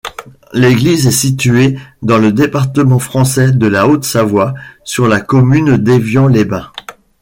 L'église est située dans le département français de la Haute-Savoie, sur la commune d'Évian-les-Bains.